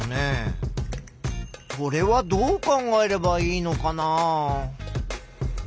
これはどう考えればいいのかなあ？